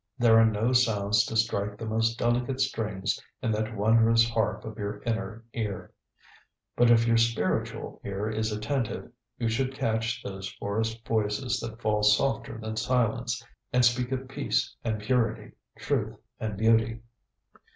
There are no sounds to strike the most delicate strings in that wondrous harp of your inner ear. But if your spiritual ear is attentive you should catch those forest voices that fall softer than silence and speak of peace and purity, truth and beauty.